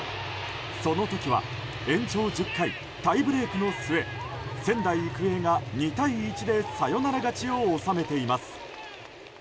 その時は延長１０回タイブレークの末仙台育英が２対１でサヨナラ勝ちを収めています。